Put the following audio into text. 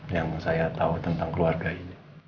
yang saya tahu tentang keluarga ini